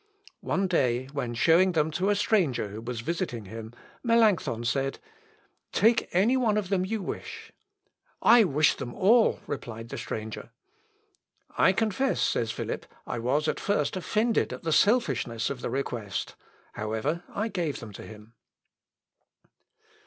One day when showing them to a stranger who was visiting him, Melancthon said, "Take any one of them you wish." "I wish them all," replied the stranger." "I confess," says Philip, "I was at first offended at the selfishness of the request; however I gave them to him."